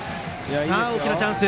大きなチャンス。